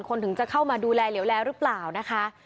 ถึงจะเข้ามาดูแลเหลวแลหรือเปล่านะคะ